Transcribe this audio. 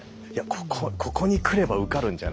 ここに来れば受かるんじゃないかってことで。